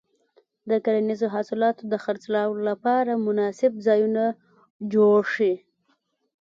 د کرنیزو محصولاتو د خرڅلاو لپاره مناسب ځایونه جوړ شي.